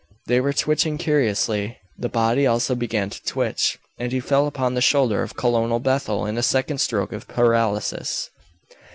They were twitching curiously; the body also began to twitch, and he fell upon the shoulder of Colonel Bethel in a second stroke of paralysis.